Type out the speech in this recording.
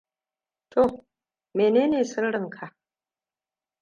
Toh, menene sirrin ka?